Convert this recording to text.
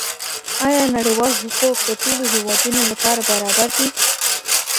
ايا نړيوال حقوق د ټولو هيوادونو لپاره برابر دي؟